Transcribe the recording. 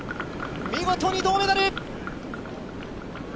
見事に銅メダル！